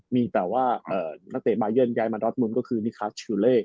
มีแต่ว่าเอ่อนักเตะบายอนย้ายมาดอทมุนก็คือนิคาร์ชิวเลก